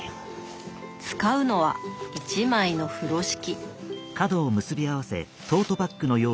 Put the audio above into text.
使うのは一枚の風呂敷。